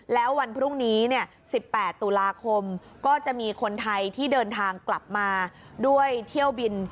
แล้ววันพรุ่งนี้๑๘ตุลาคมก็จะมีคนไทยที่เดินทางกลับมาด้วยเที่ยวบิน